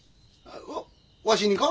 わわしにか？